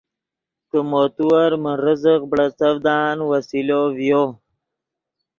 کہ مو تیور من رزق بڑیڅڤدان وسیلو ڤیو